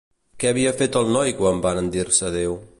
Què havia fet el noi quan van dir-se adeu?